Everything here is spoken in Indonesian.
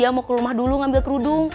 ya mau ke rumah dulu ngambil kerudung